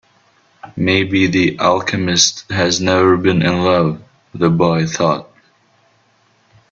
Maybe the alchemist has never been in love, the boy thought.